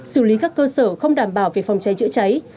xử lý các cơ sở không đảm bảo về phòng cháy chữa cháy